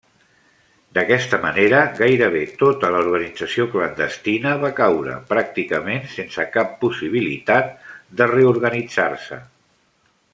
D'aquesta manera, gairebé tota l'organització clandestina va caure, pràcticament sense cap possibilitat de reorganitzar-se.